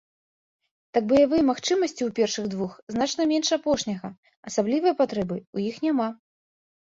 Так баявыя магчымасці ў першых двух значна менш апошняга, асаблівай патрэбы ў іх няма.